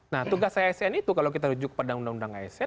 nah tugas asn itu kalau kita rujuk kepada undang undang asn